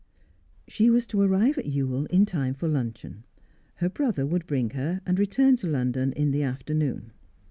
She was to arrive at Ewell in time for luncheon. Her brother would bring her, and return to London in the afternoon.